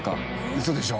ウソでしょ？